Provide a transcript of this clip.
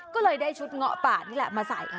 ก็เลยได้ชุดเงาะป่านี่แหละมาใส่